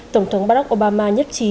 tổng thống barack obama nhất trí